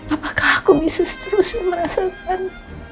apakah aku bisa seterusnya merasakan